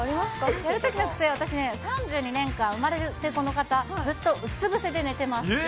私ね、３２年間、産まれてこの方、ずっとうつぶせで寝てます。